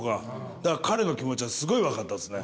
世彼の気持ちはすごい分かったっすね